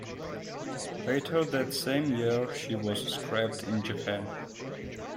Later that same year she was scrapped in Japan.